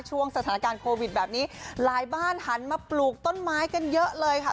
ช่วงสถานการณ์โควิดแบบนี้หลายบ้านหันมาปลูกต้นไม้กันเยอะเลยค่ะ